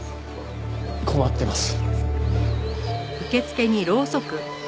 困ってます。